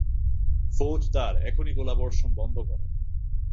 ফৌজদার, এখনই গোলাবর্ষণ বন্ধ করো।